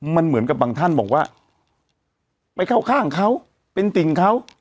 มันเหมือนกับบางท่านบอกว่าไปเข้าข้างเขาเป็นติ่งเขา